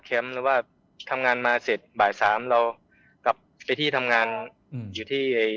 หรือว่าทำงานมาเสร็จบ่ายสามเรากลับไปที่ทำงานอยู่ที่